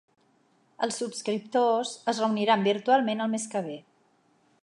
Els subscriptors es reuniran virtualment el mes que ve